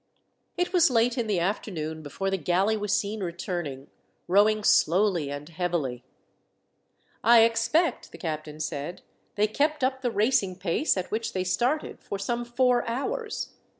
It was late in the afternoon before the galley was seen returning, rowing slowly and heavily. "I expect," the captain said, "they kept up the racing pace at which they started for some four hours.